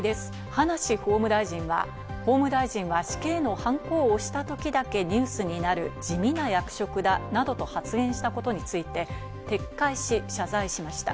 葉梨法務大臣は、法務大臣は死刑のハンコを押したときだけニュースになる地味な役職だなどと発言したことについて、撤回し、謝罪しました。